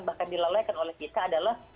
bahkan dilalaikan oleh kita adalah